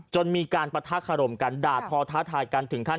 จนมีการปะทะคารมกันด่าทอท้าทายกันถึงขั้น